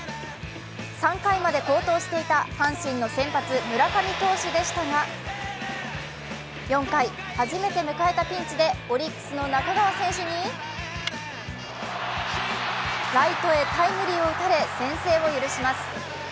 ３回まで好投していた阪神の先発・村上投手でしたが４回、初めて迎えたピンチでオリックスの中川選手に、ライトにタイムリーを打たれ、先制を許します。